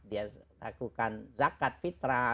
dia lakukan zakat fitrah